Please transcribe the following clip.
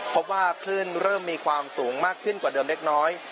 พบว่าคลื่นเริ่มมีความสูงมากขึ้นกว่าเดิมเล็กน้อย